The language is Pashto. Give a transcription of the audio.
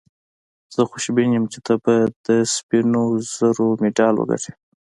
زه خوشبین یم چي ته به د سپینو زرو مډال وګټې.